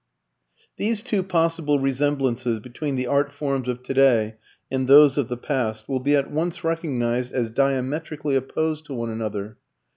These two possible resemblances between the art forms of today and those of the past will be at once recognized as diametrically opposed to one another.